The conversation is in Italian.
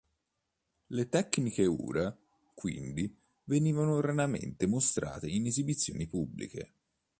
Le tecniche ura, quindi, venivano raramente mostrate in esibizioni pubbliche.